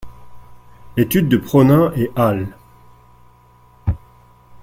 L'étude de Pronin et al.